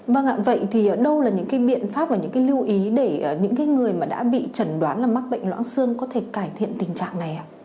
vâng ạ vậy thì đâu là những cái biện pháp và những cái lưu ý để những người mà đã bị chẩn đoán là mắc bệnh loãng xương có thể cải thiện tình trạng này ạ